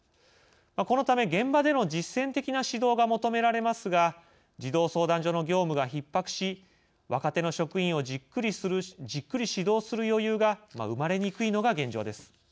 このため、現場での実践的な指導が求められますが児童相談所の業務がひっ迫し若手の職員をじっくり指導する余裕が生まれにくいのが現状です。